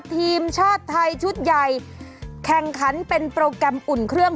ทีมชาติไทยชุดใหญ่แข่งขันเป็นโปรแกรมอุ่นเครื่อง